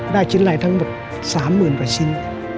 ได้ชิ้นลายทั้งหมด๓๐๐๐๐ประชิ้น